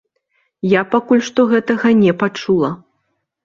Я пакуль што гэтага не пачула.